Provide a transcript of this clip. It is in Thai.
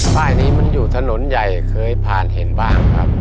ป้ายนี้มันอยู่ถนนใหญ่เคยผ่านเห็นบ้างครับ